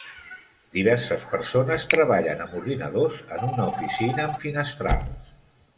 Diverses persones treballen amb ordinadors en una oficina amb finestrals.